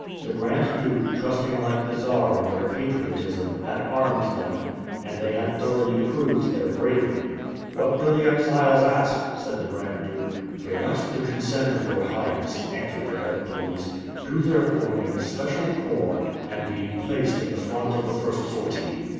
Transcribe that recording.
The Grand Duke, trusting like the Czar in their patriotism, had armed them, and they had thoroughly proved their bravery. "What do the exiles ask?" said the Grand Duke. "They ask the consent of your Highness," answered the head of police, "to their forming a special corps and being placed in the front of the first sortie."